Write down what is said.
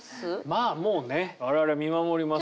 まあもうね我々は見守りますから。